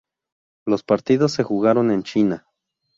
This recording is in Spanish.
Los partidos se jugaron en China.